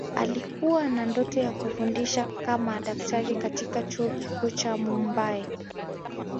Alikuwa na ndoto ya kufundisha kama daktari katika Chuo Kikuu cha Mumbay